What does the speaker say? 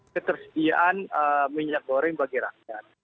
ketersediaan minyak goreng bagi rakyat